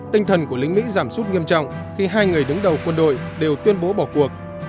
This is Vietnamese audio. tinh thần của lính mỹ giảm sút nghiêm trọng khi hai người đứng đầu quân đội đều tuyên bố bỏ cuộc